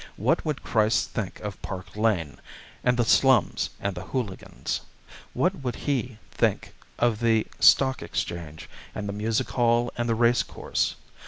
What would Christ think of Park Lane, and the slums, and the hooligans? What would He think of the Stock Exchange, and the music hall, and the racecourse?